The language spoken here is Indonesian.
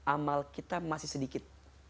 amal kita masih sedikit